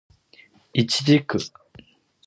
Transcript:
イチジク